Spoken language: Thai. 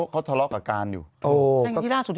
เขาทะเลาะกับการอยู่